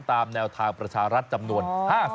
ตามแนวทางประชารัฐจำนวน๕๐